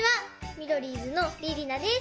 ミドリーズのりりなです！